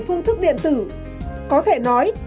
phương thức điện tử có thể nói